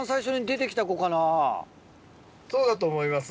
そうだと思います。